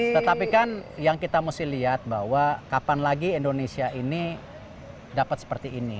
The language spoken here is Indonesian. tetapi kan yang kita mesti lihat bahwa kapan lagi indonesia ini dapat seperti ini